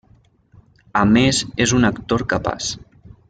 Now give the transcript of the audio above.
A més és un actor capaç.